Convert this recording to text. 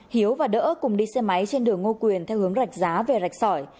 hiếu và đỡ cùng đi xe máy trên đường ngô quyền theo hướng rạch giá về rạch sỏi